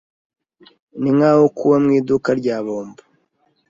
Ninkaho kuba mu iduka rya bombo.